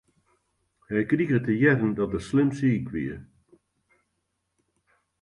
Hy krige te hearren dat er slim siik wie.